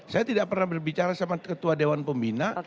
saya tidak pernah berbicara sama ketua dewan pembina